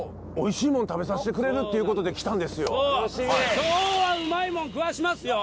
今日はウマイもん食わしますよ！